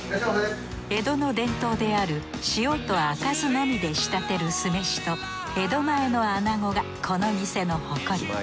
江戸の伝統である塩と赤酢のみで仕立てる酢飯と江戸前の穴子がこの店の誇り。